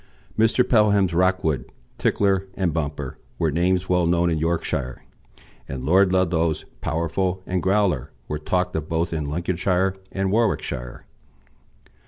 Mr. Pelham's Rockwood Tickler and Bumper were names well known in Yorkshire, and Lord Ludlow's Powerful and Growler were talked of both in Lincolnshire and Warwickshire.